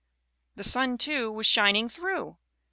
The sun, too, was shining through.